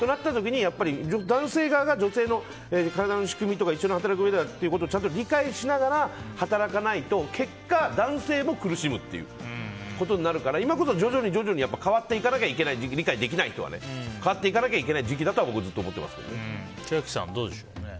やっぱり男性側が女性の体の仕組みとか一緒に働くうえでということを理解しながら働かないと結果、男性も苦しむっていうことになるから今こそ徐々に徐々に理解できない人は変わっていかなきゃいけない千秋さん、どうでしょう。